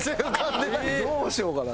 どうしようかな。